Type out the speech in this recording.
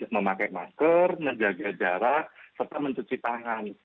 memakai masker menjaga jarak serta mencuci tangan